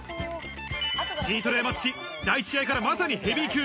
チートデイマッチ、第１試合からまさにヘビー級。